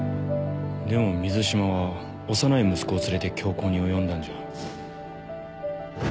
でも水島は幼い息子を連れて凶行に及んだんじゃ。